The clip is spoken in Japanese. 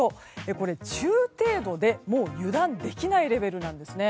これ、中程度でして油断できないレベルなんです。